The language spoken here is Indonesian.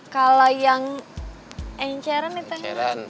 kalo yang enceran itu enceran